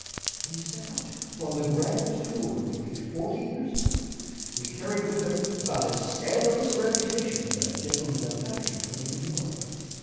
When he set out upon the grand tour nearly forty years ago, he carried with him about as scandalous a reputation as a gentleman of fashion could enjoy.